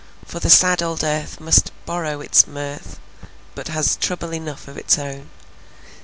For the sad old earth must borrow it's mirth, But has trouble enough of it's own.